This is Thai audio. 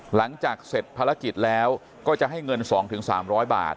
หลังจากเสร็จภารกิจแล้วก็จะให้เงินสองถึงสามร้อยบาท